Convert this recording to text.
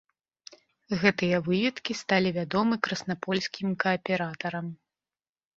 Гэтыя выведкі сталі вядомы краснапольскім кааператарам.